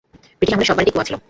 British আমলে সব বাড়িতেই কুয়া আছিল।